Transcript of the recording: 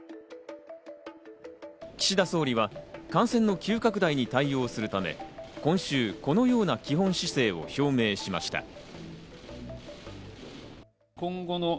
岸田総理は感染の急拡大に対応するため、今週、このような基本姿勢を表明しました。